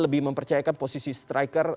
lebih mempercayakan posisi striker